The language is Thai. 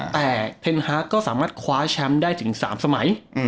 แต่เพนฮาร์กก็สามารถคว้าแชมป์ได้ถึง๓สมัย